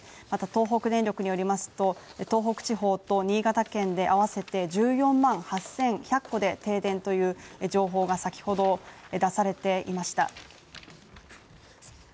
また東北電力によりますと東北地方と新潟県であわせて１４万８１００戸で停電という情報が先ほど出されていました。